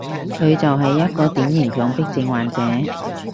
佢就係一個典型強迫症患者